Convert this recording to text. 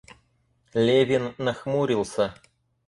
Левин нахмурился.